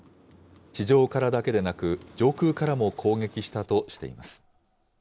地上からだけでなく、上空からも攻撃したとしています。